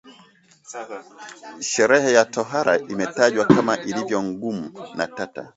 Sherehe ya tohara imetajwa kama iliyo ngumu na tata